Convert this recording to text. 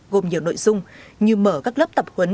gồm nhiều nội dung như mở các lớp tập huấn